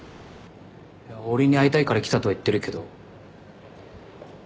俺に会いたいから来たとは言ってるけど。